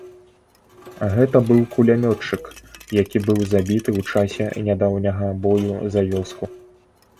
Гэта быў кулямётчык, які быў забіты ў часе нядаўняга бою за вёску.